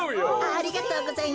ありがとうございます。